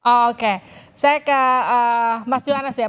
oke saya ke mas johannes ya